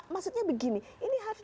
maksudnya begini ini harus